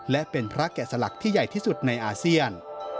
และเป็นพระแกะสลักที่ใหญ่ที่สุดในอาเซียน